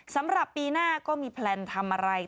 สำหรับปีหน้าก็มีแพลนทำอะไร